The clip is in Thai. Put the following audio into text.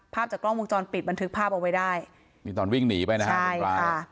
ภาพจากกล้องวงจรปิดบันทึกภาพเอาไว้ได้นี่ตอนวิ่งหนีไปนะฮะคุณปลา